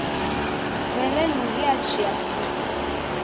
W'erenughia chia suse.